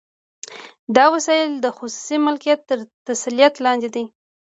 دا وسایل د خصوصي مالکیت تر تسلط لاندې دي